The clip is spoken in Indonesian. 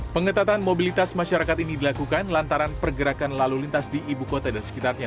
pengetatan mobilitas masyarakat ini dilakukan lantaran pergerakan lalu lintas di ibu kota dan sekitarnya